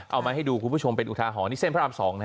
เอามาให้ดูคุณผู้ชมเป็นอุทาหรณนี่เส้นพระราม๒